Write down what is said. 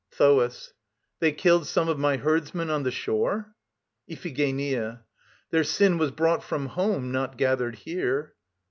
THOAS. They killed some of my herdsmen on the shore? IPHIGENIA. Their sin was brought from home, not gathered here.